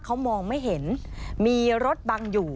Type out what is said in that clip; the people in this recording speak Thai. เขามองไม่เห็นมีรถบังอยู่